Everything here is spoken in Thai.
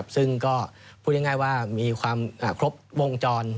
ซึ่งก็พูดง่ายว่ามีความครบวงจร